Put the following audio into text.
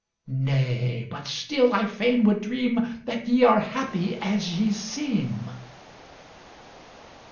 Nay but still I fain would dream That ye are happy as ye seem.